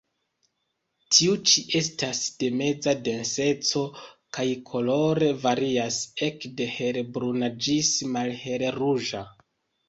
Tiu ĉi estas de meza denseco, kaj kolore varias ekde hel-bruna ĝis malhel-ruĝa.